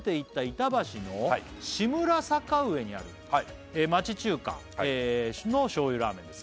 「板橋の志村坂上にある町中華の醤油ラーメンです」